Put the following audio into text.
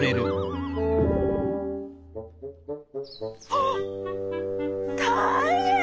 あったいへん！